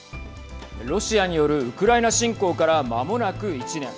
ロシアによるウクライナ侵攻からまもなく１年。